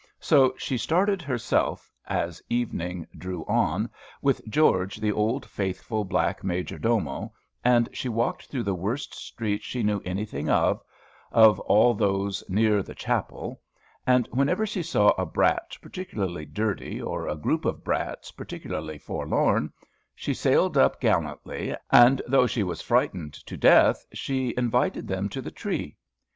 So she started herself, as evening drew on, with George, the old faithful black major domo, and she walked through the worst streets she knew anything of, of all those near the chapel; and, whenever she saw a brat particularly dirty, or a group of brats particularly forlorn, she sailed up gallantly, and, though she was frightened to death, she invited them to the tree.